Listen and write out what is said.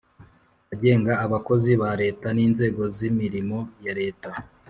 agenga abakozi ba Leta n inzego z imirimo ya Leta